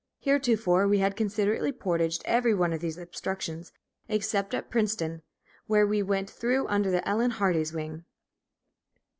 Heretofore we had considerately portaged every one of these obstructions, except at Princeton, where we went through under the "Ellen Hardy's" wing.